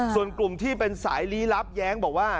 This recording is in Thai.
ส่วนกลุ่มที่เป็นสายลี้ลับแย้งบอกว่า